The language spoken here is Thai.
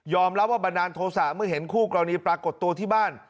รับว่าบันดาลโทษะเมื่อเห็นคู่กรณีปรากฏตัวที่บ้าน